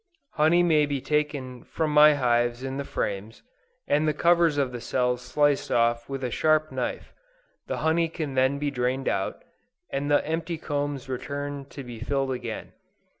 Honey may be taken from my hives in the frames, and the covers of the cells sliced off with a sharp knife; the honey can then be drained out, and the empty combs returned to be filled again.